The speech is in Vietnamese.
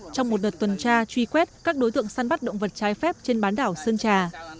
trong một đợt tuần tra truy quét các đối tượng săn bắt động vật trái phép trên bán đảo sơn trà